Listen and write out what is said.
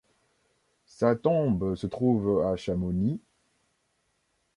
Sa tombe se trouve à Chamonix.